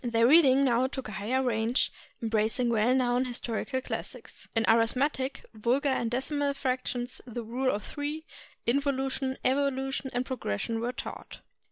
Their reading now took a higher range, embracing well known historical classics. In arithme tic, vulgar and decimal fractions, the rule of three, invo lution, evolution, and progression were taught.